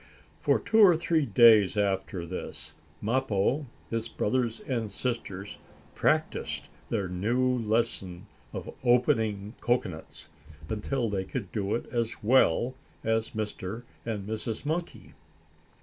For two or three days after this, Mappo, his brothers and sisters practiced their new lesson of opening cocoanuts, until they could do it as well as Mr. and Mrs. Monkey.